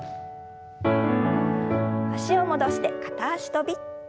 脚を戻して片脚跳び。